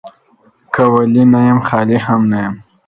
که ولي نه يم ، خالي هم نه يم.